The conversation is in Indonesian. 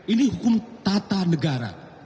ini hukum tata negara